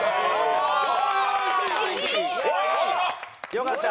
よかった。